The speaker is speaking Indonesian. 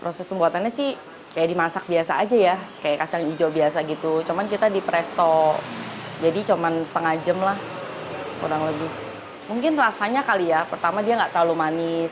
proses pembuatannya sih kayak dimasak biasa aja ya kayak kacang hijau biasa gitu cuman kita di presto jadi cuma setengah jam lah kurang lebih mungkin rasanya kali ya pertama dia nggak terlalu manis